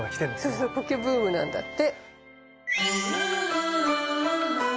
そうそコケブームなんだって。